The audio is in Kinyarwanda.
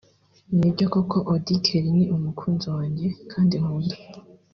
Nibyo koko Auddy Kelly ni umukunzi wanjye kandi nkunda